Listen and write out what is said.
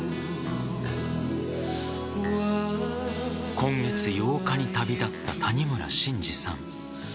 今月８日に旅立った谷村新司さん。